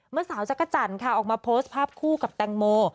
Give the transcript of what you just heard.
เมื่อสาวจักรจันทร์ค่ะออกมาโพสต์ภาพคู่กับแตงโม